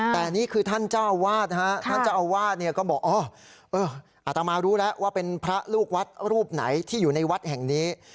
แต่นี่คือท่านเจ้าวาดนะฮะท่านเจ้าอาวาสเนี่ยก็บอกอาตมารู้แล้วว่าเป็นพระลูกวัดรูปไหนที่อยู่ในวัดแห่งนี้